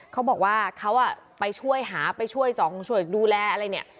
เขาบอกว่าเขาไปช่วยหาไปช่วยสองช่วยดูแลอะไรเนี่ย